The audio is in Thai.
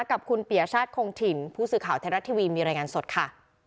กับคุณปียชาติคงถิ่นผู้สื่อข่าวไทยรัฐทีวีมีรายงานสดค่ะ